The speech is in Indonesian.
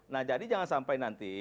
nah jadi jangan sampai nanti